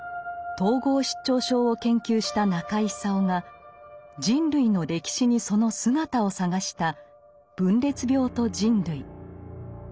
統合失調症を研究した中井久夫が人類の歴史にその姿を探した「分裂病と人類」。